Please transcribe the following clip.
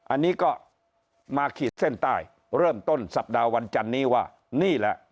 อันนี้ก็มาขีดเส้นใต้เริ่มต้นสัปดาห์วันจันนี้ว่านี่แหละ